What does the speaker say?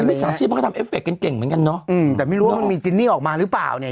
มิจฉาชีพมันก็ทำเอฟเคกันเก่งเหมือนกันเนอะอืมแต่ไม่รู้ว่ามันมีจินนี่ออกมาหรือเปล่าเนี่ย